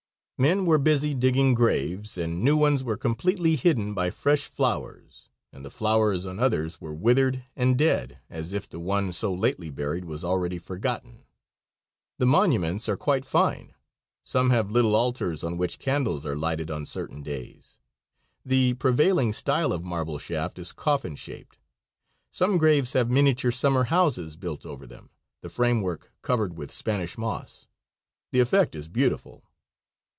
Men were busy digging graves, and new ones were completely hidden by fresh flowers, and the flowers on others were withered and dead, as if the one so lately buried was already forgotten. The monuments are quite fine. Some have little altars on which candles are lighted on certain days. The prevailing style of marble shaft is coffin shaped. Some graves have miniature summer houses built over them, the framework covered with Spanish moss. The effect is beautiful.